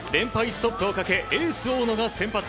ストップを目掛けエース、大野が先発。